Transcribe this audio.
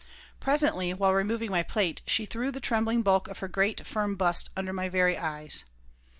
Presently, while removing my plate, she threw the trembling bulk of her great, firm bust under my very eyes.